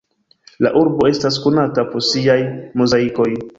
La urbo estas konata pro siaj mozaikoj.